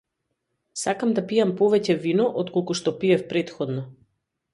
Сакам да пијам повеќе вино отколку што пиев претходно.